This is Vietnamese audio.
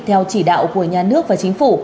theo chỉ đạo của nhà nước và chính phủ